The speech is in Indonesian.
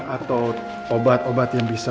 atau obat obat yang bisa